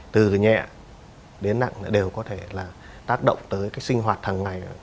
từ nhẹ đến nặng đều có thể là tác động tới cái sinh hoạt hàng ngày